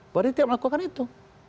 bahwa dia tidak melakukan itu